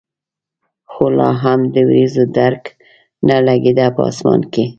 خو لا هم د ورېځو درک نه لګېده په اسمان کې.